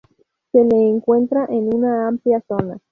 Se le encuentra en una amplia zona.